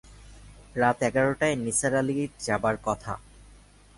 রাত এগারটায় নিসার আলির যাবার কথা।